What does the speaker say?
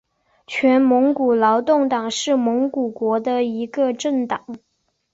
全蒙古劳动党是蒙古国的一个政党。